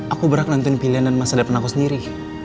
aku berhak nonton pilihan dan masa depan aku sendiri